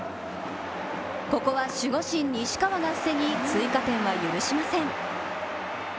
ここは守護神・西川が防ぎ追加点は許しません。